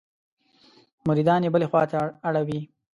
مریدان یې بلې خوا ته اړوي.